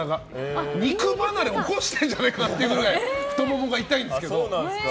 肉離れおこしてるんじゃないかってくらい太ももが痛いんですけど。